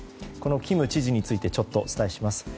このキム知事についてちょっとお伝えします。